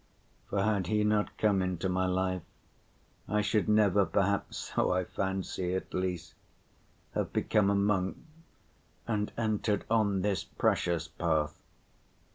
For had he not come into my life, I should never perhaps, so I fancy at least, have become a monk and entered on this precious path.